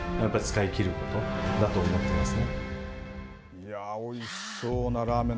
いや、おいしそうなラーメン。